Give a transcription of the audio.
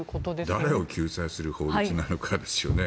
誰を救済する法律なのかですよね。